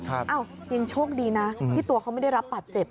อ้าวยังโชคดีนะที่ตัวเขาไม่ได้รับบาดเจ็บ